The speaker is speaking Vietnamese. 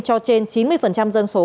cho trên chín mươi dân số